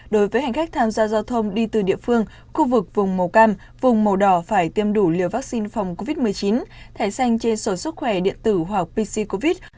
đối với hành khách tham gia giao thông đi từ địa phương khu vực vùng màu cam vùng màu đỏ phải tiêm đủ liều vaccine phòng covid một mươi chín thải xanh trên sổ sức khỏe điện tử hoặc pc covid